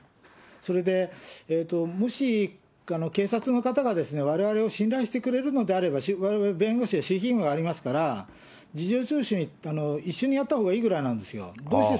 それで、もし警察の方がわれわれを信頼してくれるのであれば、われわれ弁護士は守秘義務がありますから、事情聴取に一緒にやったほうがいいぐらいなんですよ。